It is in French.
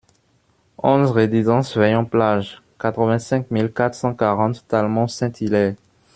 onze résidence Veillon Plage, quatre-vingt-cinq mille quatre cent quarante Talmont-Saint-Hilaire